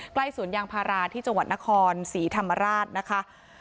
สวนยางพาราที่จังหวัดนครศรีธรรมราชนะคะ